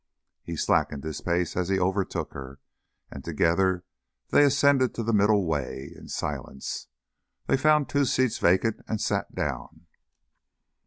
He slackened his pace as he overtook her, and together they ascended to the middle way in silence. There they found two seats vacant and sat down.